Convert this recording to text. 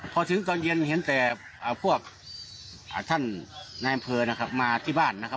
พอถึงตอนเย็นเห็นตัวพวกท่านนายมาที่บ้านนะครับ